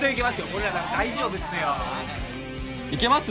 俺らなら大丈夫っすよいけます？